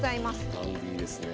ダンディーですねえ。